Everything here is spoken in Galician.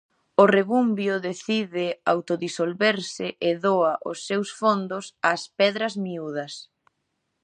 O Rebumbio decide autodisolverse e doa os seus fondos ás Pedras Miúdas.